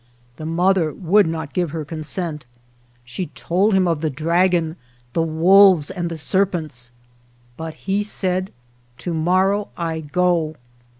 The mother would not give her consent. She told him of the dragon, the wolves, and the serpents; but he said, " To morrow I go."